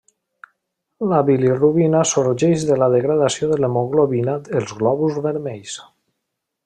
La bilirubina sorgeix de la degradació de l'hemoglobina dels glòbuls vermells.